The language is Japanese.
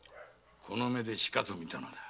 この目でしかと見たのだ。